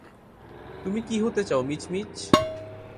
তুমি কী হতে চাও, মিচ-মিচ?